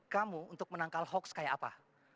kamu untuk menangkal hoax kayak apa